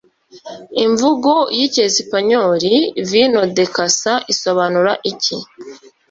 Imvugo y'Icyesipanyoli “Vino De Casa” isobanura iki?